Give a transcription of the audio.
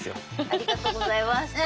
ありがとうございます。